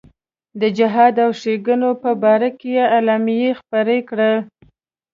د جهاد او ښېګڼو په باره کې اعلامیې خپرې کړې.